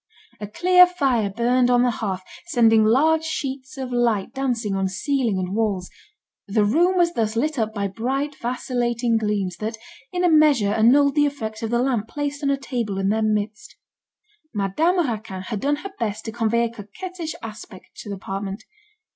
A clear fire burned on the hearth, sending large sheets of light dancing on ceiling and walls. The room was thus lit up by bright vacillating gleams, that in a measure annulled the effects of the lamp placed on a table in their midst. Madame Raquin had done her best to convey a coquettish aspect to the apartment.